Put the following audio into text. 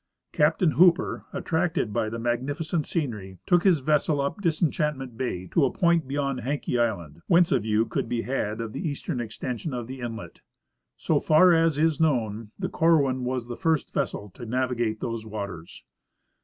Captain Hooper, attracted by the magnifi cent scenery, took his vessel up Disenchantment bay to a point beyond Haenke island, whence a view could be had of the eastern extension of the inlet. So far as is known, the Corwin was the first vessel to navigate those waters.